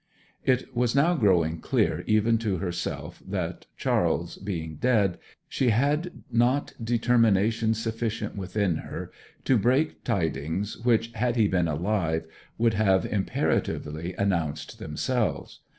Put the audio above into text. It was now growing clear even to herself that Charles being dead, she had not determination sufficient within her to break tidings which, had he been alive, would have imperatively announced themselves.